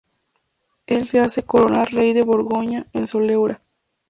Él se hace coronar rey de Borgoña en Soleura.